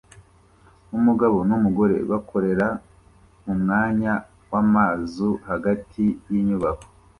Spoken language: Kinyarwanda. Umugabo numugore bakorera mumwanya wamazu hagati yinyubako